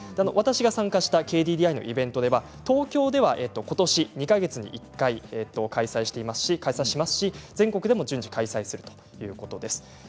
私が参加したＫＤＤＩのイベントでは東京では、ことし２か月に１回開催しますし全国でも順次開催するということです。